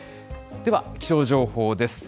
では、気象情報です。